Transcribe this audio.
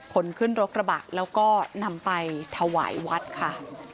คนขึ้นรถกระบะแล้วก็นำไปถวายวัดค่ะ